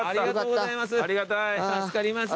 ありがとうございます。